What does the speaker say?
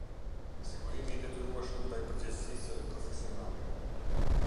Sigurimi i detyrueshëm ndaj përgjegjësisë profesionale.